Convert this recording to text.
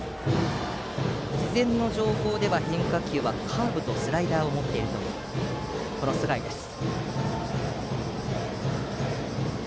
事前の情報では変化球はカーブとスライダーを持っているという須貝です。